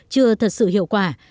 chưa thật sự hiệu quả